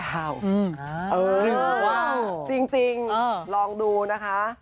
จริงลองดูนะคะ